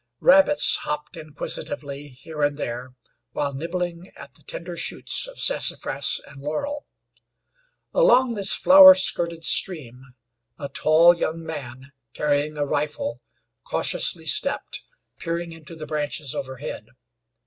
Rabbits hopped inquisitively here and there while nibbling at the tender shoots of sassafras and laurel. Along this flower skirted stream a tall young man, carrying a rifle cautiously stepped, peering into the branches overhead.